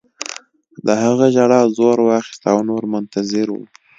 د هغه ژړا زور واخیست او نور منتظر وو